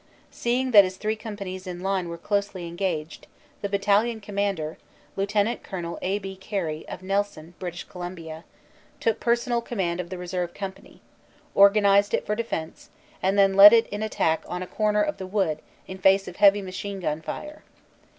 Seeing that his three companies in line were closely engaged, the battalion commander, Lt. Col. A. B. Carey, of Nelson, SIDELIGHTS OF BATTLE 81 B. C., took personal command of the reserve company, or ganized it for defense and then led it in attack on a corner of the wood in face of heavy machine gun fire.